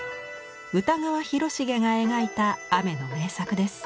歌川広重が描いた雨の名作です。